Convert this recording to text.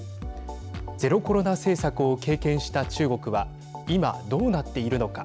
ゼロコロナ政策を経験した中国は今、どうなっているのか。